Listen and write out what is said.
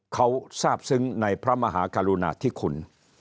เขาทราบซึ้งในพระมหากรุณาธิคุณ